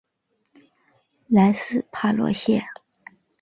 莱斯帕罗谢。